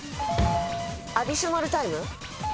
アディショナルタイム？